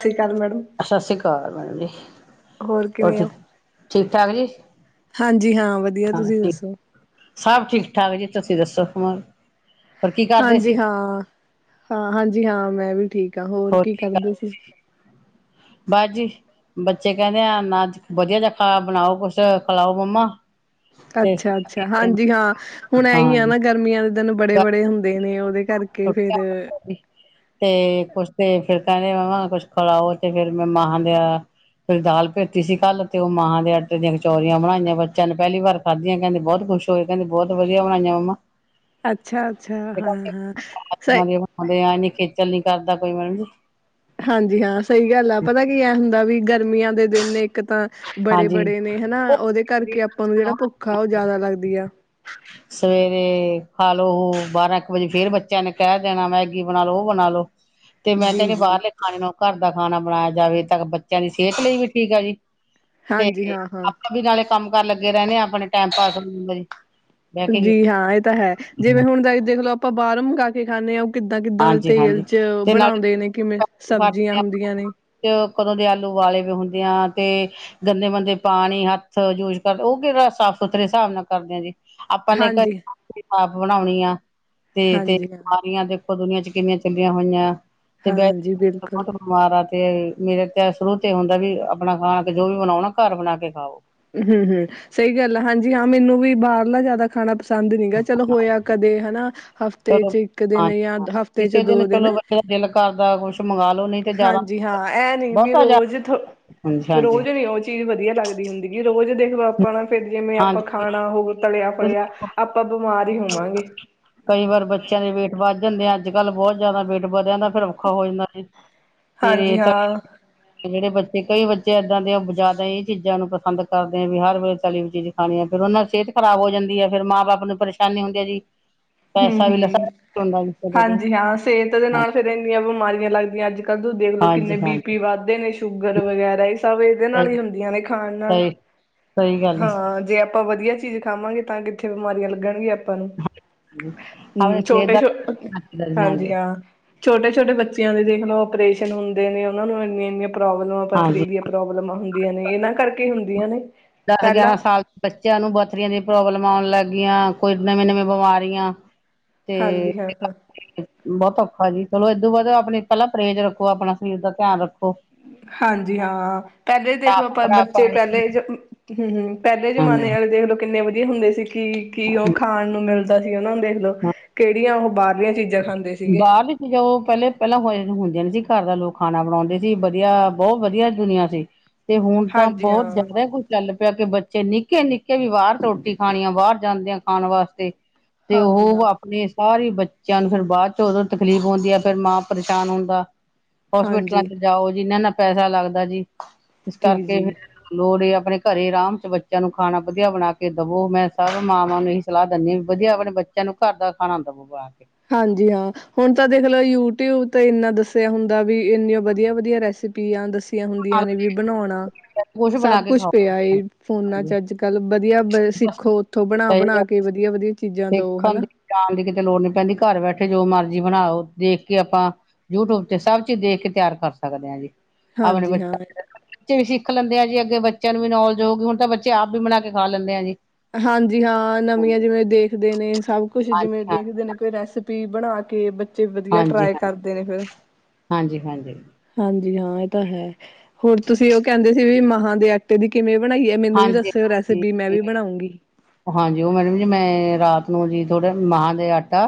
ਠੀਕ ਸਤਿ ਸ੍ਰੀ ਅਕਾਲ ਮੈਡਮ ਜੀ ਹੋਰ ਕਿਵੇਂ ਠੀਕ ਹੋ? ਠੀਕ ਠਾਕ ਜੀ ਹਾਂਜੀ ਹਾਂ ਵਧੀਆ ਤੁਸੀਂ ਦੱਸੋ ਸਭ ਠੀਕ--ਠਾਕ ਜੀ ਤੁਸੀਂ ਦੱਸੋ ਹੋਰ ਕੀ ਕਰਦੇ ਹਾਂਜੀ ਸੀ ਹਾਂ, ਹਾਂ ਹਾਂਜੀ ਹਾਂ, ਮੈਂ ਵੀ ਠੀਕ। ਤਾਂ ਹੋਰ ਕੀ ਕਰਦੀ ਸੀ। ਬਸ ਜੀ, ਬੱਚੇ ਕਹਿੰਦੇ ਆ, ਅੱਜ ਵਧੀਆ ਜਾ ਖਾ ਬਣਾਓ ਕੁਛ ਖਲਾਓ ਮੰਮਾ। ਤੇ ਇਸ ਅੱਛਾ--ਅੱਛਾ ਕਰਕੇ ਹਾਂਜੀ ਹਾਂ ਹੁਣ ਐਹੀ ਆ ਹਾਂਜੀ ਨਾ ਗਰਮੀਆਂ। ਤਨ ਬੜੇ--ਬੜੇ ਹੁੰਦੇ ਨੇ ਉਹ ਤੇ ਕੁੱਛ ਦੇ [unintelligible] ਤੇ ਫਿਰਕਹਿੰਦੇ ਮੰਮ, ਕੁਛ ਖਲਾਓ, ਤੇ ਫੇਿਰ ਮੈਂ ਮਹਾਂ ਦੀ ਦਾਲ ਭੇਤੀਸੀਕੱਲ, ਤੇ ਉਹ ਮਾਹਾਂ ਦੇ ਆਟੇ ਦੀਆਂ ਕਚੋਰੀਆਂ ਬਣਾਈਆਂ, ਬੱਚਿਆਂ ਨੇ ਪਹਿਲੀ ਵਾਰ ਖਾਧੀਆਂ। ਕਹਿੰਦੇ ਬਹੁਤ ਖੁਸ਼ ਹੋਏ ਕਹ ਬਹੁਤ ਵਧੀਆ ਬਣਾਈਆਂ ਮੰਮ। ਅੱਛਾ--ਅੱਛਾ ਹਾਂ--ਹਾ। ਮੰਮੀ, ਪਾਪਾ, ਦੇ ਆਣਕੇ ਪਹਿਲੀ ਕਰਦਾ ਕੋਈ ਮੈਮ ਨਈ। ਹਾਂਜੀ, ਹਾਂ ਸਹੀ ਗਲ ਅ, ਪਤਾ ਕੀ ਐ ਹੁੰਦਾ ਵੀ। ਗਰਮੀਆਂ ਦੇ ਦਿਨ ਇੱਕ ਤਾਂ ਹਾਂਜੀ। ਬੜੇ--ਬੜੇ ਨੇ ਹਨਾ, ਉਹਦੇ ਕਰਕੇ ਆਪਾਂ ਨੂੰ ਜਿਹੜਾ ਭੁੱਖ ਆ, ਉਹ ਜ਼ਿਆਦਾ ਲੱਗਦੀ ਆ। ਹੈਲੋ ਬਾਰਾਂ, ਇਕ, ਵਜੇ ਫੇਰ ਬੱਚਿਆਂ ਨੇ ਕਹਿ ਦੇਣਾ ਮੈਗੀ ਬਣਾ ਲੋ ਉਹ ਬਣਾ ਲੋ। ਤੇ ਮੈਂ ਤੇ ਜੀ ਕਹਿਣੀ ਜੀ ਬਾਹਰਲੇ ਖਾਣੇ ਤੋਂ ਘਰ ਦਾ ਖਾਣਾ ਬਣਾਇਆ ਜਾਵੇ ਤ ਬੱਚਿਆਂ ਨੇ ਐ ਵੀ, ਠੀਕ ਆ ਜੀ ਤੇ ਹਾਂਜੀ ਹਾਂ ਹਾਂ ਆਪਾ ਵੀ ਨਾਲੇ। ਕੰਮ ਕਰਨ ਲੱਗੇ ਰਹਿਣੇ ਆਪਾਂ ਕੇ ਜੀ ਹਾਂ ਇਹ ਤਾਂ ਹੈ। ਜਿਵੇਂ ਹੁਣ ਤ ਦੇਖਲੋ ਆਪਾਂ, ਬਾਹਰੋਂ ਮੰਗਾ ਕੇ ਖਾਂਦੇ ਹਾਂ। ਕਿੱਦਾਂ, ਕਿੱਦਾਂ ਤੇਲ ਹਾਂਜੀ-ਹਾਂਜੀ ਚ ਤੇ ਨਾਲੇ ਬਣਾਉਂਦੇ ਨੇ ਕਿਵੇਂ, ਸਬਜ਼ੀਆਂ ਸਾਡੇ ਹੁੰਦੀਆਂ ਨੇ। ਚ ਕਦੋਂ ਦੇ ਆਲੂ ਵਾਲੇ ਵੀ ਹੁੰਦੇ ਆ, ਤੇ ਗੰਦੇ ਮੰਦੇ ਪਾਣੀ ਹੱਥ ਜੂਜ ਕਰਦੇ, ਓ ਕਿਹੜਾ ਸਾਫ਼ ਸੁਥਰੇ, ਹਿਸਾਬ ਨਾਲ ਕਰਦੇ ਆ ਜੀ। ਆਪਾਂ ਨੇ ਹਾਂਜੀ ਆਪ ਬਣਾਉਣੀ ਆ ਤੇ, ਤੇ ਹਾਂਜੀ ਹਾਂ ਬਿਮਾਰੀਆਂ ਦੇਖੋ ਦੁਨੀਆ ਚ ਕਿੰਨੀਆਂ ਚੰਗੀਆਂ ਹੋਈਆਂ ਤੇ ਮੈਂ, ਹਾਂਜੀ ਬਿਲਕੁਲ ਬਹੁਤ ਬਿਮਾਰ ਆ ਤੇ ਮੇਰਾ ਤੇ ਸ਼ੁਰੂ ਤੋਂ ਹੁੰਦਾ, ਵੀ ਆਪਣਾ ਖਾਣਾ ਕੇ ਜੋ ਵੀ ਬਨਾਣਾ, ਘਰ ਬਣਾ ਕੇ ਖਾਓ ਹੂ--ਹੂ ਸਹੀ ਗੱਲ ਆ ਹਾਂਜੀ, ਹਾਂ ਮੈਨੂੰ ਵੀ ਬਾਹਰਲਾ ਜਿਆਦਾ ਖਾਣਾ ਪ ਤਗ ਨਈ ਚਲੋ ਹੋਇਆ ਕਦੇ ਹਨਾ ਹਫ਼ਤੇ ਚਲੋ ਚ ਇੱਕ ਦਿਨ ਹਾਂਜੀ ਜਾਂ ਹਾਂ ਹਫ਼ਤੇ ਚ ਕਿਸੇ ਦੋ ਦਿਨ ਚਲੋ ਬੱਚੇ ਦਾ ਦਿਲ ਕਰਦਾ ਕੁਛ ਮੰਗਵਾ ਲੋ ਨਹੀਂ ਤੇ ਜ਼ਿਆਦਾ ਹਾਂਜੀ ਹਾਂ ਇਹ ਨੀ ਬਹੁਤਾ ਜ਼ਿਆਦਾ ਰੋਜ਼ ਹਾਂਜੀ ਹਾਂਜੀ ਨਈ ਉਹ ਚੀਜ਼ ਵਧੀਆ ਲੱਗਦੀ ਹੁੰਦੀ ਮੂਜੇ, ਦੇਖ ਲੋ ਆਪਾਂ ਫਿਰ ਜਿਵੇਂ, ਆਪਾਂ ਹਾਂਜੀ ਖਾਣਾ ਹੋਊ ਤਲਿਆ ਫਲਿਆ, ਤੁਸੀਂ ਆਪਾਂ ਬਿਮਾਰ ਹੀ ਹੋਵਾਂਗੇ ਕਈ ਵਾਰ ਬੱਚਿਆਂ ਦੇ ਵੇਟ ਬ ਵੱ ਜਾਂਦੇ ਆ ਅੱਜ ਕੱਲ੍ਹ ਬਹੁਤ ਜ਼ਿਆਦਾ ਬੇਟ ਵਧਿਆਂ ਦਾ ਫਿਰ ਔਖਾ ਹੋ ਜਾਂਦਾ ਸੀ ਫਰ ਹਾਂਜੀ ਇਹ ਤਾਂ ਹਾਂ। ਜਿਹੜੇ ਬੱਚੇ ਤੇ ਕਈ ਬੱਚੇ ਇਏਦਾਂ ਦੇ ਜ਼ਿਆਦਾ ਇਹ ਚੀਜ਼ਾਂ ਨੂੰ ਪਸੰਦ ਕਰਦੇ ਆ ਵੀ ਹਰ ਵ ਚਾਲੀ ਵੀ ਚੀਜ਼ ਖਾਣੀ ਹੈ ।ਫੇਿਰ ਉਹਨਾਂ ਦੀ ਸਿਹਤ ਖਰਾਬ ਹੋ ਜਾਂਦੀ ਹੈ ਫਿਰ ਮਾਂ ਬਾਪ ਨੂੰ ਪਰੇ। ਸ਼ਾਨੇ ਹੁੰਦੇ ਆ ਜੀ। ਹਮ, ਹਮ ਹੁੰਦਾ ਜੀ ਹਾਂਜੀ ਹਾਂ ਸਿਹਤ ਦੇ ਨਾਲ ਫੇਿਰ ਇੰਨੀਆਂ ਬਿਮਾਰੀਆਂ ਲੱਗਦੀਆਂ ਅੱਜ ਕੱਲ ਦ ਦੇਖਲੋ ਕਿੰਨੇ ਹਾਂਜੀ ਬੀ ਹਾਂਜੀ ਪੀ ਵੱਧਦੇ ਨੇ ਸ਼ੂਗਰ ਵਗੈਰਾ ਸਭ ਇਹਦੇ ਨਾਲ ਸਹੀ ਹੀ ਹੁੰਦੀਆਂ ਨੇ ਖਾਣ ਨਾਲ ਸਹੀ ਸਹੀ ਗੱਲ ਹੈ ਹਾਂ ਜੇ ਆਪਾਂ ਵਧੀਆ ਚੀਜ਼ ਖਾਵਾਂਗੇ ਤਾਂ ਕਿੱਥੇ ਬਿਮਾਰੀਆਂ ਲੱਗਣਗ ਆਪਾਂ [unintelligible] ਪਰ ਪਰ ਜੀ। ਹਮ ਆਪਣੇ ਸਿਹਤ ਛੋਟੇ ਦਾ ਛੋ ਹਾਂਜੀ ਹਾਂ। ਛੋਟੇ, ਛੋਟੇ ਬੱਚਿਆਂ ਦੇਖ ਲਓ ਆਪਓਰੇਸ਼ਨ ਹੁੰਦੇ ਨੇ ਉਹਨਾਂ ਨੂੰ ਇੰਨੀਆਂ ਇੰਨੀਆਂ। ਪ੍ਰੋਬਲਮਾਂ ਪੱਥਰੀ ਹਾਂਜੀ ਦੀਆਂ ਪ੍ਰੋਬਲਮਾਂ ਹੁੰਦੀਆਂ ਨੇ ਇਹਨਾਂ ਕਰਕੇ ਹੁੰਦੀ। ਹੁੰਦੀਆਂ ਨੇ ਦਸ ਪਹਿਲਾਂ ਗਿਆਰਾਂ ਸਾਲ ਬੱਚਿਆਂ ਪੱਥਰੀਆਂ ਦੀ ਪ੍ਰੋਬਲਮ ਆਉਣ ਲੱਗ ਬੱਚਿਆਂ ਨੂੰ ਕੋਈ ਨਵੀਆਂ ਨਵੀਆਂ ਬਿਮਾਰੀਆਂ ਤੇ ਹਾਂਜੀ ਹਾਂ ਹਾਂ। ਬਹੁਤ ਔਖਾ ਜੀ ਚਲੋ ਏਦੋਂ ਬਾਅਦ ਆਪਣੀ ਪਹਿਲਾਂ ਪਰਹੇਜ਼ ਰੱਖੋ ਆਪਣਾ ਸਰੀਰ ਦਾ ਧਿਆਨ ਰੱਖੋ ਹਾਂਜੀ ਹਾਂ। ਪਹਿਲੇ ਦੇਖੋ ਸਾਫ਼ ਆਪਾਂ ਸੁਥਰਾ ਬੱਚੇ ਪਾਣੀ ਪਹਿਲੇ। ਹਮ, ਹਮ। ਪਹਿਲੇ ਹਾਂਜੀ ਜਮਾਨੇ ਵਾਲੇ ਦੇਖ ਲੋ ਕਿੰਨੇ ਵਧੀਆ ਹੁੰਦੇ ਸੀ ਕੀ ਕੀ ਉਹ ਖਾਣ ਨੂੰ ਮਿਲਦਾ ਸੀ ਉਹਨਾਂ ਦੇ ਤਲ ਕਿਹੜੀਆਂ ਉਹ ਬਾਹਰਲੀਆਂ ਚ ਪੀਜ਼ਾ ਖਾਂਦੇ ਸੀਗੇ ਬਾਅਦ ਵਿੱਚ ਜੋ ਪਹਿਲੇ ਪਹਿਲਾਂ ਹੋ ਹੁੰਦਿਆਂ ਨੇ ਸੀ ਘਰ ਦਾ ਲੋਕ ਖਾਣਾ ਬਣਾਉਂਦੇ ਸੀ ਵਧੀਆ ਬਹੁਤ ਵਧਆ ਦੁਨੀਆਂ ਸੀ ਤੇ ਹੁਣ ਤਾਂ ਹਾਂਜੀ ਬਹੁਤ ਹਾਂ ਜ਼ਿਆਦਾ ਹੀ ਕਈ ਚੱਲ ਪਿਆ ਕਿ ਬੱਚੇ ਨਿੱਕੇ ਨਿੱਕੇ ਵੀ ਬਾਹਰ ਰੋਟੀ ਖਾਣੀ ਆ ਬਾਹਰ ਜਾਂਦੇ ਆ ਖਾਣ ਵਾਸਤੇ ਤੇ ਹਾਂਜੀ ਉਹ ਹਾਂ ਆਪਣੇ ਸਾਰੇ ਹੀ ਬੱਚਿਆਂ ਨੂੰ ਫਿਰ ਬਾਅਦ ਉਦੋਂ ਤਕਲੀਫ਼ ਹੁੰਦੀ ਆ ਫੇਰ ਮਾਂ ਪਰੇਸ਼ਾਨ ਹੁੰਦਾ ਹੋਸਪਿਟਲਾਂ ਹਾਂਜੀ ਚ ਜਾਓ ਜਿਨ੍ਹਾਂ ਨਾਲ ਪੈਸਾ ਲੱਗਦਾ ਜੀ ਇਸ ਜੀ ਕਰਕੇ ਜੀ ਲੋੜ ਆਪ ਆਪਣੇ ਘਰੇ ਆਰਾਮ ਚ ਬੱਚਿਆਂ ਨੂੰ ਖਾਣਾ ਵਧੀਆ ਬਣਾ ਕੇ ਦਵੋ ਮੈਂ ਸਭ ਮਾਵਾਂ ਨੂੰ ਇਹੀ ਸਲਾਹ ਦਿੰਦੀ ਹਾਂ ਵੀ ਵਧੀਆ ਆਪਣੇ ਬੱਚਿਆਂ ਨੂੰ ਘਰ ਦਾ ਖਾਣਾ ਦਵੋ ਬਣਾ ਕੇ ਹਾਂਜੀ ਹਾਂ ਹੁਣ ਤਾਂ ਦੇਖ ਲਓ ਯੂਟਿਊਬ ਤੇ ਇੰਨਾ ਦੱਸਿਆ ਹੁੰਦਾ ਵੀ ਇੰਨੀ ਵਧੀਆ ਵਧੀਆ ਰੈਸਪੀ ਆ ਦ ਹੁੰਦੀਆਂ ਨੇ ਵੀ ਬਣਾਉਣਾ ਬਣਾ ਸਭ ਕੇ ਕੁਛ ਖਾਓ ਪਿਆ ਫੋਨਾ ਚ ਅੱਜ ਕੱਲ ਵਧੀਆ ਬਸ ਸਿੱਖੋ ਉੱਥੋਂ ਬਣਾ ਸਹੀ ਬਣਾ ਗੱਲ ਕੇ ਵਧੀਆ ਵਧੀਆ ਚੀਜ਼ਾਂ ਦਓ ਦੇਖਣ ਹਨਾ ਦੀ ਜਾਣ ਦੀ ਕਿਤੇ ਲੋੜ ਨੀ ਪੈਂਦੀ ਘਰ ਬੈਠੇ ਜੋ ਮਰਜੀ ਬਣਾਓ ਦੇਖ ਕੇ ਆਪਾਂ ਯੂਟਿਊਬ ਤੇ ਸਭ ਚੀਜ਼ ਦੇਖ ਕੇ ਤਿਆਰ ਕਰ ਸਕਦੇ ਹਾਂ ਜੀ ਆਪਣੇ ਹਾਂਜੀ ਬੱਚੇ ਹਾਂ ਬੱਚੇ ਵੀ ਸਿੱਖ ਲੈਂਦੇ ਆ ਜੇ ਅੱਗੇ ਬੱਚਿਆਂ ਨੂੰ ਵੀ ਨੌਲੇਜ ਹੋਊਗੀ ਹੁਣ ਤਾਂ ਬੱਚੇ ਆਪ ਵੀ ਬਣਾ ਕੇ ਖਾ ਲੈਂਦੇ ਪਿਆ ਜੀ ਹਾਂਜੀ ਹਾਂ ਨਵੀਆਂ ਹਾਂਜੀ ਜਿਵੇਂ ਦੇਖਦੇ ਨੇ ਸਭ ਕੁਛ ਜਿਵੇਂ ਹਾਂਜੀ ਦੇਖਦੇ ਨੇ ਕੋਈ ਰੈਸਪੀ ਬਣਾ ਕੇ ਵਧੀਆ ਹਾਂਜੀ, ਟਰਾਈ ਹਾਂਜੀ, ਕਰਦੇ ਨੇ ਫਿਰ ਹਾਂਜੀ, ਹਾਂਜੀ, ਹਾਂਜੀ ਜੀ ਹਾਂ ਇਹ ਤਾਂ ਹੈ ਹੋਰ ਤੁਸੀਂ ਉਹ ਕਹਿੰਦੇ ਸੀ ਵੀ ਮਹਾਂ ਆਟੇ ਦੀ ਕਿਵੇਂ ਬਣਾਈਏ ਮੈਨੂੰ ਵੀ ਹਾਂਜੀ, ਦੱਸਿਓ ਹਾਂਜੀ। ਰੈਸਪੀ ਮੈਂ ਵੀ ਬਣਾਉਗਾ ਹਾਂਜੀ ਉਹ ਮੈਡਮ ਜੀ ਮੈਂ ਰਾਤ ਨੂੰ ਜੀ ਥੋੜੇ ਮਾਂ ਦੇ ਆਟਾ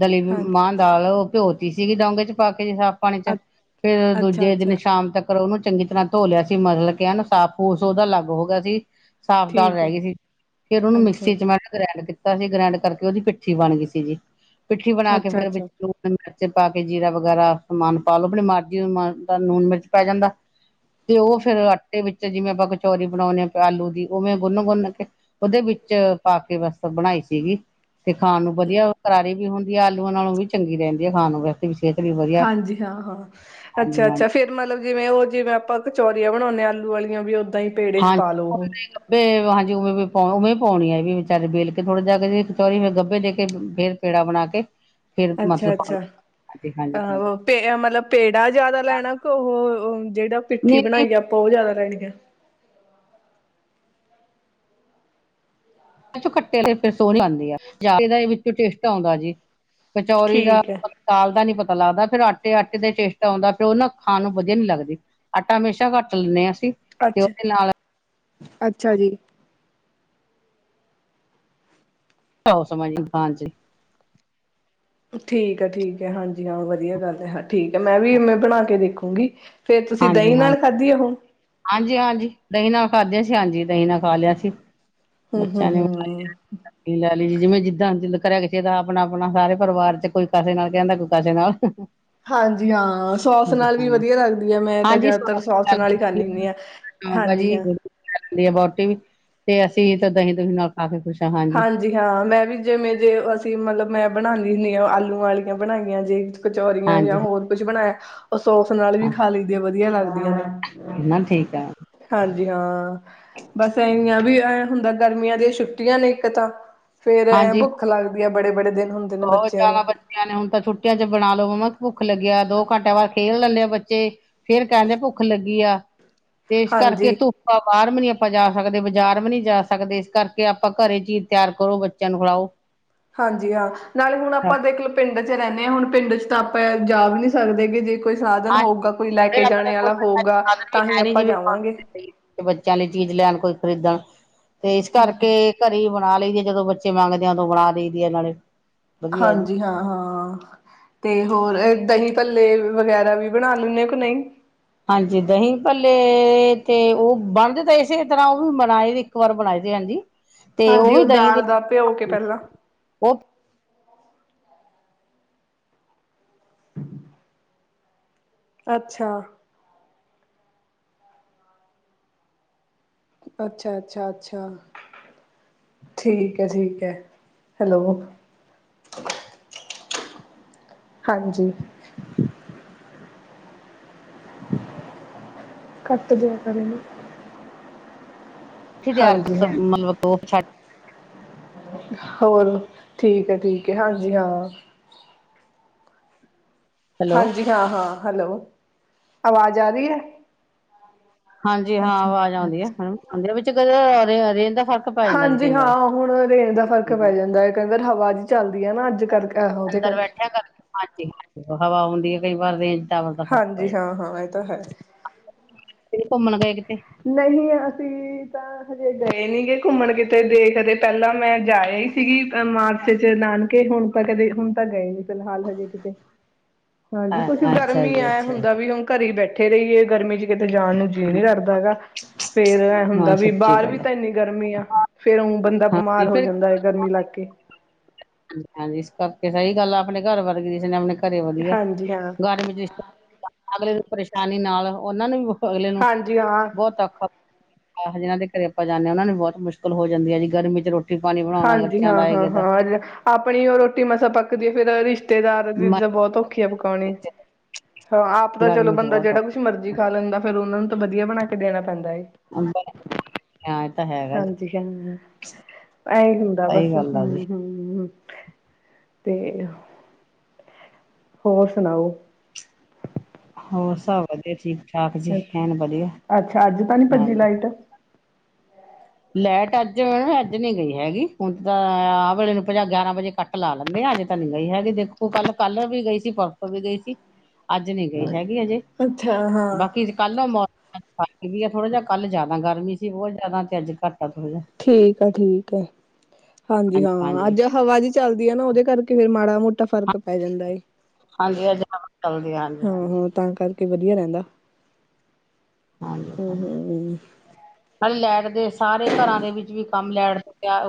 ਦਲੀਬ ਹਾਂ ਮਾਂ ਦਾਲ ਘਿਓ ੀ ਸੀਗੀ ਡੋਂਗੇ ਚ ਪਾ ਜ ਸਾਫ਼ ਪਾਣੀ ਚ ਅ ਫਿਰ ਅੱਛਾ ਦੂਜੇ ਦਿਨ ਅੱਛਾ ਸ਼ਾਮ ਤੱਕ ਉਹਨੂੰ ਚੰਗੀ ਤਰ੍ਹਾਂ ਧੋ ਲਿਆ ਸੀ ਮਤਲਬ ਕਹਿਣੂੰ ਸਾਫ਼ ਪੂਸ ਉਹਦਾ ਅਲੱਗ ਹੋ ਗਿਆ ਸੀ ਸਾਫ਼ ਦਾਲ ਠੀਕ ਰਹਿ ਹੈ ਗਈ ਸੀ ਫਿਰ ਉਹਨੂੰ ਅੱਛਾ ਮਿਕਸੀ ਚ ਮੈਂ ਗ੍ਰੈਂਡ ਕੀਤਾ ਤਾਂ ਅਸੀਂ ਗ੍ਰੈਂਡ ਕਰਕੇ ਉਹਦੀ ਪਿੱਠੀ ਬਣ ਗਈ ਸੀ ਜੀ ਪਿੱਠੀ ਜੀ ਬਣਾ ਕੇ ਅੱਛਾ ਫਿਰ ਵਿੱਚ ਅੱਛਾ ਕਚੇ ਪਾ ਕੇ ਜੀਰਾ ਵਗੈਰਾ ਸਮਾਨ ਪਾ ਲਓ ਆਪਣੀ ਮਰਜ਼ੀ ਦਾ ਨੂਣ ਮਿਰਚ ਪੈ ਜਾਂਦਾ ਤੇ ਉਹ ਫਿਰ ਆਟੇ ਵਿੱਚ ਜਿਵੇਂ ਆਪਾਂ ਕਚੋਰੀ ਬਣਾਉਣੇ ਆ ਆਲੂ ਦੀ ਉਹ ਮੈਂ ਗੁਨ ਗੁੰਨ ਕੇ ਉਹਦੇ ਵਿੱਚ ਪਾ ਕੇ ਬਸ ਬਣਾਈ ਸੀਗੀ ਤੇ ਖਾਣ ਨੂੰ ਵਧੀਆ ਕਰਾਰੇ ਵੀ ਹੁਣ ਆਲੂਆਂ ਨਾਲੋਂ ਵੀ ਚੰਗੀ ਰਹਿੰਦੀ ਆ ਖਾਣ ਵ ਹਾਂਜੀ ਹਾਂ ਹਾਂ ਹਾਂਜੀ ਅੱਛਾ ਹਾਂਜੀ ਅੱਛਾ ਫਿਰ ਮਤਲਬ ਜਿਵੇਂ ਉਹ ਜਿਵੇਂ ਆਪਾਂ ਕਚੌ ਬਣਾਉਂਦੇ ਆਲੂ ਵਾਲੀਆਂ ਵੀ ਹੀ ਪੇੜੇ ਚ ਹਾਂਜੀ ਪਾ ਲਓ ਉਹ [unintelligible] ਹਾਂਜੀ। ਉਵੇਂ ਵੀ ਪਾ ਉਵੇਂ ਪਾਉਣੀ ਆ ਵੀ ਬਾਰੇ ਵੇਲ ਕੇ ਥੋੜੇ ਜਾ ਕੇ ਕਚੋਾਰੀ ਗੱਭੇ ਦੇ ਕੇ ਫੇਰ ਪੇੜਾ ਬਣਾ ਕੇ। ਫੇਰ ਮਤਲਬ ਪਾ ਅੱਛਾ-ਅੱਛਾ ਹਾਂਜੀ ਹਾਂਜੀ ਹਾਂਜੀ ਆਹੇ ਮਤਲਬ ਪੇੜਾ ਜਿਆਦਾ ਲੈਣਾ ਕਿ ਔਹੋ ਜਿਹੜਾ ਪਿੱਠੀ ਨਹੀਂ ਬਣਾਈਏ ਨਹੀਂ ਆਪਾਂ ਉਹ ਜਿਆਦਾ। ਲੈਣੀ ਐ। ਕੱਟੇ ਤੇ ਫਿਰ ਸੋਹ ਆਂਦੀ ਆ ਜਾ ਦਾ ਵਿੱਚੋਂ ਟੇਸਟ ਆਦਾ ਜੀ। ਕਚੋਰੀ ਦਾ ਠੀਕ ਹੈ। ਪਕਾਲ ਦਾ ਨੀ ਪਤਾ। ਪਤਾ ਲੱਗਦਾ ਫੇਰ ਆਟੇ-ਆਟੇ ਦਾ ਚੇਟ ਆਦਾ ਫਿਰ ਉਹ ਨਾ ਖਾਣ ਨੂੰ ਵਧੀਆ ਨੀ ਲਗਦੀ ਆਟਾ ਹਮੇਸ਼ਾ ਘੱਟ ਲੈਂਨੇ ਆ ਅਸੀ। ਤੇ ਅੱਛਾ। ਉਥੇ ਨਾਲ, ਅੱਛਾ ਜੀ, ਹੋ ਸਮਝ ਹਾਂਜੀ, ਠੀਕ ਹੈ ਠੀਕ ਹੈ, ਹਾਂਜੀ ਹਾਂ ਵਧੀਆ ਗੱਲ ਐ ਹਾਜੀ। ਠੀਕ ਹੈ ਮੈਂ ਵੀ ਬਣਾ ਕੇ ਦੇਖੋ। ਗੀ, ਫੇਰ ਤੁਸੀਂ ਦਹੀਂ ਨਾਲ ਖਾਧੀ ਆ ਹੁਣ? ਹਾਂਜੀ-ਹਾਂਜੀ ਦਹੀਂ ਨਾਲ ਖਾਦਿਆਂ ਸੀ ਹਾਂਜੀ ਦਹੀਂ ਨਾਲ ਖਾ ਲਿਆ ਸੀ। ਹੂੰ-ਹੂੰ-ਹੂੰ, ਜ ਜਿਵੇਂ ਜਿੱਦਾਂ ਦਿਲ ਕਰਿਆ ਕਿਸੇ ਦਾ ਆਪਣਾ ਆਪਣਾ ਸਾਰੇ ਪਰਿਵਾਰ ਚ ਕੋਈ ਕੇ ਨਾਲ ਕਹਿੰਦਾ ਕੋਈ ਕੇ ਨਾਲ, ਹਾਂਜੀ ਹਾਂ ਸੋਸ ਹਾਂਜੀ ਨਾਲ ਵੀ ਵਧੀਆ ਲੱਗਦੀ ਹੈ ਮੈਂ ਤਾਂ ਜ਼ਿਆਦਾਤਰ ਸੋਸ ਨਾਲ ਹੀ, ਖਾਂਦੀ ਹੁੰਦੀ ਹਾਂ, ਹਾਂਜੀ ਭਾਜੀ ਹਾਂ ਦੀ ਆ ਬਹੁਟੀ ਵੀ, ਤੇ ਅਸੀਂ ਤਾਂ ਦਹੀਂ ਦੁਹੀਂ ਨਾਲ ਖਾ ਕੇ ਖੁਸ਼ ਆ। ਹਾਂਜੀ, ਹਾਂ ਮੈਂ ਵੀ ਜਿਵੇਂ ਜੇ ਅਸੀਂ ਮਤਲਬ ਮੈਂ ਬਣਾਦੀ ਹੁੰਦੀ ਆਲੂ ਆਲੀਆਂ ਬਣਾਈਆਂ ਜੇ ਕਚੌਰੀਆਂ ਹਾਂਜੀ ਜਾਂ ਹੋਰ ਕੁਝ ਬਣਾਇਆ। ਉਹ ਸੋਸ ਨਾਲ ਵੀ ਹਾਂ ਖਾ ਲਈਦੇ ਆ ਵਧੀਆ ਲੱਗਦਾ। ਨਾ ਠੀਕ ਆ [inaudible] ਹਾਂਜੀ, ਹਾਂ। ਬਸ ਇਨਆਂ ਵੀ ਹੁੰਦਾ ਗਰਮੀਆਂ ਦੀਆਂ ਛੁੱਟੀਆਂ ਨੇ ਇਕ ਤਾ ਫੇਰ ਐਂ ਹਾਂਜੀ, ਭੁੱਖ ਲੱਗਦੀ ਐ। ਬੜੇ ਬੜੇ ਦਿਨ ਹੁੰਦੇ ਨੇ ਬਹੁਤ ਬੱਚਿਆਂ ਨੂੰ ਜ਼ਿਆਦਾ ਬੱਚਿਆਂ ਨੇ ਹੁਣ ਤਾਂ ਛੁੱਟੀਆਂ ਚ ਬਣਾ ਲੋ ਮੰਮਾ ਭੁੱਖ ਭੁੱਖ ਲੱਗਿਆ ਦੋ ਘੰਟਿਆਂ ਬਾਅਦ ਖੇਲ ਲੈਂਦੇ ਆ ਬੱਚੇ ਫੇਰ ਕਹਿੰਦੇ ਆ ਭੁੱਖ ਲੱਗੀ ਆ ਤੇ ਇਸ ਕਰਕੇ ਹਾਂਜੀ ਧੁੱਪਾ ਬਾਹਰ ਵੀ ਨੀ ਆਪਾਂ ਜਾ ਸਕਦੇ ਬਾਜ਼ਾਰ ਵੀ ਨੀ ਜਾ ਸਕਦੇ ਇਸ ਕਰਕੇ ਆਪਾਂ ਘਰੇ ਚੀਜ਼ ਤਿਆਰ ਕਰੋ ਬੱਚਿਆਂ ਨੂੰ ਖਲਾਓ। ਹਾਂਜੀ ਹਾਂ। ਨਾਲੇ ਹੁਣ ਆਪਾਂ ਦੇਖ ਲਓ ਪਿੰਡ ਇਥੇ ਰਹਿੰਦੇ ਹਾਂ ਹੁਣ ਪਿੰਡ ਚ ਤਾਂ ਆਪਾਂ ਜਾ ਵੀ ਨਹੀਂ ਸਕਦੇ ਗ ਜੇ ਕੋਈ ਸਾਧਨ ਹਾਂਜੀ ਹੋਊਗਾ ਕੋਈ ਲੈ ਕੇ ਫਰ ਆਪਣੇ ਜਾਣੇ ਕੋ ਵਾਲਾ ਹੋਊਗਾ ਫ ਤਾਂ ਹੀ ਵੀਣੀ ਆਪਾਂ ਜੀ ਵੀ ਜਾਵਾਂਗੇ ਬੱਚਿਆਂ ਲਈ ਚੀਜ਼ ਲੈਣ ਕੋਈ ਖਰੀਦਣ ਤੇ ਇਸ ਕਰਕੇ ਘਰੇ ਬਣਾ ਲਈਏ ਜਦੋਂ ਬੱਚੇ ਮੰਗਦਿਆਂ ਤੋਂ ਬਣਾ ਦੇ ਦੀ ਆ ਇਹਨਾਂ ਨੇ ਹਾਂਜੀ ਹਾਂ-ਹਾਂ ਤੇ ਹੋਰ ਦਹੀਂ ਭੱਲੇ ਵਗੈਰਾ ਵੀ ਬਣਾ ਲੈਂਨ ਕੋ ਨਹੀਂ ਤੇ-ਤੇ ਉਹ ਬਣਦੇ ਤਾਂ ਇਸੇ ਤਰ੍ਹਾਂ ਉਹ ਵੀ ਬਣਾਏ ਇੱਕ ਵਾਰ ਬਣਾਏ ਹਾਂਜੀ ਤੇ ਹਾਂਜੀ ਵੀ ਉਹ ਦਹੀਂ ਦੇ ਦਾਲ ਦਾ ਭਿਓ ਕੇ ਪਹਿਲਾਂ ਉਹ ਅੱਛਾ ਅੱਛਾ-ਅੱਛਾ-ਅੱਛਾ ਠੀਕ ਹੈ-ਠੀਕ ਹੈ ਹੈਲੋ ਹਾਂਜੀ ਕੱਟ ਦੀਆਂ ਕਰੇ ਨੂੰ ਮਤਲਬ ਤੋਹ ਛੱਡ ਹੋਰ ਠੀਕ ਹੈ-ਠੀਕ ਹੈ ਹਾਂਜੀ ਹਾਂ ਹੈਲੋ ਹਾਂਜੀ ਹਾਂ-ਹਾਂ ਹੈਲੋ ਆਵਾਜ਼ ਆ ਰਹੀ ਹੈ ਹਾਂਜੀ ਹਾਂ ਅੱਛਾ ਆਵਾਜ਼ ਆਉਂਦੀ ਹੈ ਅੱਛਾ ਆਉਂਦੀ ਆ ਵਿੱਚ ਕ ਹਰੇ ਦਾ ਫ਼ਰਕ ਪੈ ਜਾਂਦਾ ਜੀ ਕਈ ਹਾਂਜੀ ਵਾਰ ਹਾਂ ਹੁਣ ਰੇਨ ਦਾ ਫਰਕ ਪੈ ਜਾਂਦਾ ਹੈ ਕਹਿੰਦੇ ਹਵਾ ਜਿ ਚੱਲਦੀ ਆ ਨਾ ਅੱਜ ਕਰਕੇ ਆ ਉਹਦੇ ਅੰਦਰ ਕਰਕੇ ਬੈਠਿਆ ਹਾਂਜੀ ਹਾਂਜੀ ਹਵਾ ਆਉਂਦੀ ਹੈ ਕਈ ਵਾਰ ਰੇਂਜ ਟਾਵਰ ਦਾ ਫ਼ਰਕ ਪੈ ਹਾਂਜੀ ਹਾਂ ਜਾਂਦਾ ਹਾਂ ਇਹ ਤਾਂ ਹੈ। ਘੁੰਮਣ ਗਏ ਨਹੀਂ ਅਸੀਂ ਤਾਂ। ਗਏ ਨੀ ਗ ਘੁੰਮਣ ਕਿਤੇ ਦੇ ਕਦੇ ਪਹਿਲਾਂ ਮੈਂ ਜਾਇਆ ਹੀ ਸੀਗੀ ਮਾਰਚ ਚ ਨਾਨਕੇ ਹੁਣ ਤਾਂ ਕਦੇ ਹੁਣ ਤਾਂ ਗਏ ਨ ਫਿਲਹਾਲ ਹਜੇ ਕਿਤੇ ਹਾਂਜੀ ਕੁਛ ਗਰਮ ਅੱਛਾ ਹੀ ਜੀ ਆਇਆ ਅੱਛਾ ਜੀ ਹੁੰਦਾ ਵੀ ਹੁਣ ਘਰੇ ਬੈ [inaudible] ਕਿਤੇੇ ਜਾਣ ਨੂੰ ਜੇ ਨੀ ਲਗਦਾ ਫੇਰ ਇਹ ਹੁੰਦਾ ਹਾਂ ਵੀ ਸੱਚੀ ਬਾਹਰ ਵੀ ਗੱਲ ਹੈ ਤਾਂ ਇੰਨੀ ਗਰਮੀ ਆ। ਫੇਰ ਬੰਦਾ ਹਾਂਜੀ ਬਿਮਾਰ ਹੋ ਫਿਰ ਜਾਂਦਾ ਹੈ ਗਰਮੀ ਲਾਗ ਕੇ ਹਾਂਜੀ ਇਸ ਕਰਕੇ ਸਹੀ ਗੱਲ ਆਪਣੇ ਘਰ ਵਰ ਗਈ ਜਿਸ ਨ ਹਾਂਜੀ ਹਾਂ। [inaudible] ਪਰੇਸ਼ਾਨੀ ਨਾਲ ਉਹਨਾਂ ਨੂੰ ਵੀ ਅਗਲੇ ਨੂੰ ਹਾਂਜੀ ਹਾਂ ਬਹੁਤ ਔਖਾ ਜਿਹਨ੍ਹਾਂ ਦੇ ਘਰੇ ਆਪਾਂ ਜਾਂਦੇ ਹ ਉਹਨਾਂ ਨੂੰ ਬਹੁਤ ਮੁਸ਼ਕਿਲ ਹੋ ਜਾਂਦੀ ਹੈ ਜੀ ਗਰਮੀ ਚ ਰੋਟੀ ਪਾਣੀ ਬਣਾਉਣਾ ਹਾਂਜੀ ਬੱਚਿਆਂ ਦਾ ਹਾਂ ਹਾਂ ਹੈਗਾ ਦਾ ਹਾਂ ਆਪਣੀ ਉਹ ਰੋਟੀ ਮਸਾਂ ਪੱਕਦੀ ਹੈ ਫੇਰ ਰਿਸ਼ਤੇਦਾਰ ਮ ਚੀਜ਼ਾਂ ਬਹੁਤ [unintelligible] ਹਾਂ ਆਪ ਤਾਂ ਚਲੋ ਗਰਮੀ ਚ ਬੰਦਾ ਬਹੁਤ ਜਿਹੜਾ ਔਖਾ। ਕੁਛ ਮਰਜੀ ਖਾ ਲੈਂਦਾ ਫਿਰ ਉਹਨਾ ਨੂੰ ਤਾਂ ਵਧੀਆ ਬਣਾ ਕੇ ਦੇਣਾ ਪੈਂਦਾ ਏ ਇਹ ਤਾਂ ਹੈਗਾ। ਐਹੀ ਹੁੰਦਾ ਸਹੀ ਕੂਛ ਹੂੰ ਗੱਲ ਆ ਜੀ ਹੂੰ ਹੂੰ ਤੇ ਹੋਰ ਸੁਨਾਓ ਹੋਰ ਸਭ ਵਧਈਆ ਜੀ ਅੱਛਾ ਐਨ ਵਧੀਆ ਅੱਛਾ ਅੱਜ ਤਾਂ ਨੀ ਭੱਜੀ ਹਾਂਜੀ ਲਾਈਟ ਲੈਟ ਅੱਜ ਮ ਅੱਜ ਨੀ ਗਈ ਹੈਗੀ ਹੁਣ ਤਾਂ ਆਹ ਵੇਲੇ ਨੂੰ ਪੰਜ ਗਿਆਰਾਂ ਵਜੇ ਕੱਟ ਲਾ ਲੈਂਦੇ ਆ ਅੱਜ ਤਾਂ ਨੀ ਗਈ ਹੈਗੀ ਦੇਖੋ ਕੱਲ ਕਲਰ ਵੀ ਗਈ ਸੀ ਪਰਸੋ ਵੀ ਗਈ ਸੀ। ਅੱਜ ਨੀ ਗਈ ਹੈਗੀ ਅਜੇ ਅੱਛਾ ਹਾਂ ਬਾਕੀ ਕੱਲੋਂ ਮੌਸਮ [inaudible] ਵੀ ਥੋੜਾ ਜਹਾ ਕੱਲ ਜਾਂਦਾ ਗਰਮੀ ਸੀ ਬਹੁਤ ਜ਼ਿਆਦਾ ਤੇ ਅੱਜ ਘੱਟ ਆ ਥੋੜਾ ਜਿਹਾ ਠੀਕ ਆ ਠੀਕ ਹੈ ਹਾਂਜੀ ਹਾਂ ਅੱਜ ਹਵਾ ਜਿ ਚੱਲਦੀ ਹੈ ਨਾ ਉਹਦੇ ਕਰਕੇ ਫਿਰ ਮਾੜਾ ਮੋਟਾ ਤਾਂ ਹਾਂ ਫ਼ਰਕ ਪੈ ਜਾਂਦਾ ਏ ਹਾਂਜੀ ਅਜ ਚੱਲਦੀ ਆ ਹਾਂਜੀ ਹਾਂਜੀ। ਕਿ ਵਧੀਆ ਰਹਿੰਦਾ। ਹਾਂਜੀ ਹਮ ਹਮ ਨਾਲੇ ਲੈਟ ਸਾਰੇ ਘਰਾਂ ਦੇ ਵਿੱਚ ਵੀ ਕੰਮ ਲੈਟ ਸੁਟਿਆ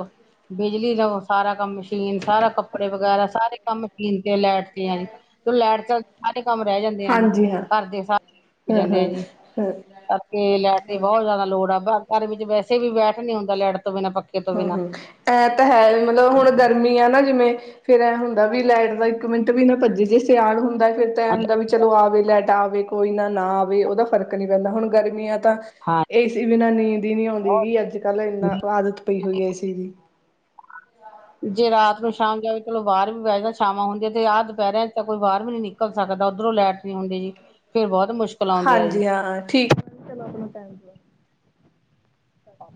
ਬਿਜਲੀ ਦਾ ਸਾਰਾ ਕੰਮ ਮਸ਼ੀਨ ਸਾਰਾ ਕੱਪੜੇ ਵਗੈਰਾ ਸਾਰੇ ਕੰਮ ਮਸ਼ੀਨ ਤੇ ਲਾਇਟ ਤੇ ਆ ਜੀ ਤੇ ਲੈਟ ਚਲ ਸਾਰੇ ਕੰਮ ਰਹਿ ਜਾਂਦੇ ਆ ਜੀ ਹਾਂਜੀ ਹਾਂ ਘਰ ਦੇ ਸਾਰੇ ਹਾਂ ਜਾਂਦੇ ਹਾਂ ਆ ਜੀ। ਹਾਂ ਤਾਂਕੇ ਲੈਟ ਦੀ ਬਹੁਤ ਜ਼ਿਆਦਾ ਲੋੜ ਆ। ਘਰ ਵਿੱਚ ਵੈਸੇ ਵੀ ਬੈਠ ਨੀ ਹੁੰਦਾ ਲੈਟ ਤੋਂ ਬਿਨਾਂ ਪੱਖੇ ਤੋਂ ਹੂੰ ਬਿਨਾਂ ਹੂੰ ਐ ਤਾਂ ਹੈ ਵੀ ਮਤਲਬ ਹੁਣ ਗਰਮੀ ਆ ਨਾ ਜਿਵੇਂ ਫੇਰ ਇਹ ਹੁੰਦਾ ਵੀ ਲਾਈਟ ਦਾ ਇੱਕ ਮਿੰਟ ਵੀ ਨਾ ਭੱਜੀੇ ਜੇ ਸਿਆਲ ਹੁੰਦਾ ਫੇਰ ਤਾਂ ਇਹ ਹੁੰਦਾ ਵੀ ਚਲੋ ਆਵੇ ਲੈਟ ਤਾ ਆਵੇ ਕੋਈ ਨਾ ਨਾ ਆਵੇ ਉਹਦਾ ਫਰਕ ਨਹੀਂ ਪੈਂਦਾ ਹੁਣ ਗਰਮੀਆਂ ਤਾਂ ਹਾਂ ਏਸੀ ਬਿਨਾਂ ਨੀਂਦ ਹੀ ਨਹੀਂ ਆਉਂਦੀਗੀ ਅੱਜ ਕੱਲ ਇੰਨਾ ਆਦਤ ਹੋਈ ਇਸੇ ਦੀ। [unintelligible] ਜੇ ਰਾਤ ਨੂੰ ਸ਼ਾਮ ਜਾਵੇ ਚਲੋ ਬਾਹਰ ਵੀ ਬੈਠਦਾ, ਛਵਾਂ ਹੁੰਦੀਆਂ ਤੇ ਆਹ ਦੁਪਹਿਰਿਆਂ ਤਾਂ ਕੋਈ ਬਾਹਰ ਵੀ ਨੀ ਨਿਕਲ ਸਕਦਾ, ਉੱਧਰੋਂ ਲੈਟ ਨੀ ਹੁੰਦੀ ਜੀ। ਫੇਰ ਬਹੁਤ ਮੁਸ਼ਕਿਲ ਆਉਂਦੀ ਆ ਜੀ ਹਾਂਜੀ, ਹਾਂ ਠੀਕ ਚਲੋ ਆਪਣਾ [unintelligible]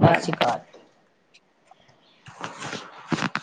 ਸਾਸੀ ਅਕਾਲ [unintelligible]